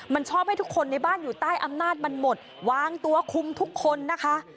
มันชอบให้ทุกคนในบ้านอยู่ใต้อำนาจมันหมดวางตัวคุมทุกคนนะคะ